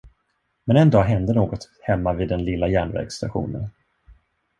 Men en dag hände något hemma vid den lilla järnvägsstationen.